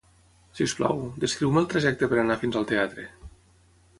Si us plau, descriu-me el trajecte per a anar fins al teatre.